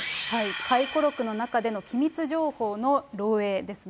回顧録の中での機密情報の漏えいですね。